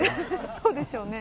そうでしょうね。